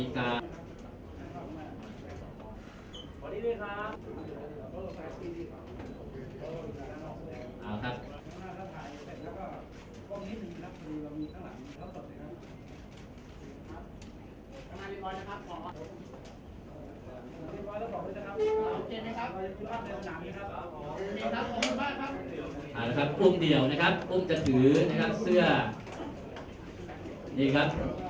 จำเป็นต้องใช้เขาเยอะ